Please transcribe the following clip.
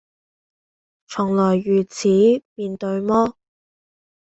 「從來如此，便對麼？」